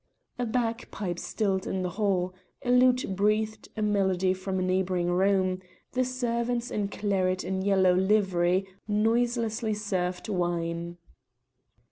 A bagpipe stilled in the hall, a lute breathed a melody from a neighbouring room, the servants in claret and yellow livery noiselessly served wine.